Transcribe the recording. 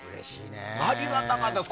ありがたかったです。